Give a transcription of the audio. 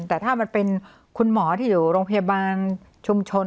แต่ถ้ามันเป็นคุณหมอที่อยู่โรงพยาบาลชุมชน